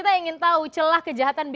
lalu kita ingin tahu celah kejahatan apa